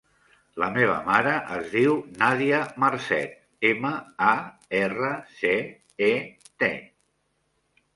La meva mare es diu Nàdia Marcet: ema, a, erra, ce, e, te.